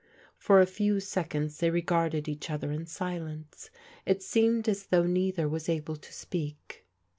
For a few seconds they regarded each other in silence. It seemed as though neither was able to speak.